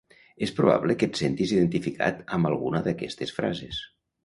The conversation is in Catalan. És probable que et sentis identificat amb alguna d'aquestes frases